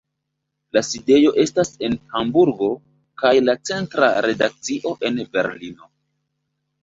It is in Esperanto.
La sidejo estas en Hamburgo, kaj la centra redakcio en Berlino.